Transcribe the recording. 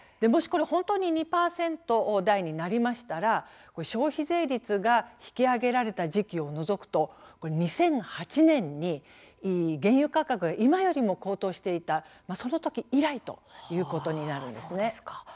もし本当に２％台になりましたら消費税率が引き上げられた時期を除くと２００８年に原油価格が今よりも高騰していた、そのとき以来ということになるんですね。